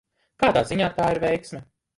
Kādā ziņā tā ir veiksme?